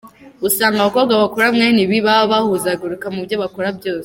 Usanga abakobwa bakora mwene ibi baba bahuzagurika mubyo bakora byose.